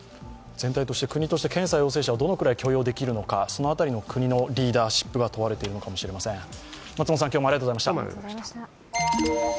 全体として国として検査陽性者どのくらい許容できるのかその辺りの国のリーダーシップが問われているのかもしれません。